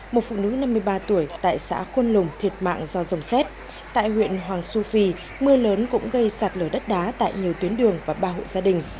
một phụ nữ năm mươi ba tuổi tại xã khuôn lùng thiệt mạng do dòng xét tại huyện hoàng su phi mưa lớn cũng gây sạt lở đất đá tại nhiều tuyến đường và ba hộ gia đình